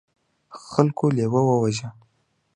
خلکو لیوه وواژه.